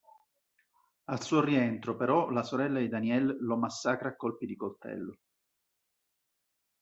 Al suo rientro però la sorella di Danielle lo massacra a colpi di coltello.